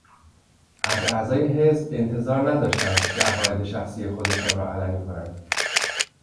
از اعضای حزبانتظار نداشتند که عقاید شخصی خودشان را علنی کنند.